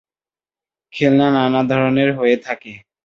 খেলনা নানা ধরণের হয়ে থাকে।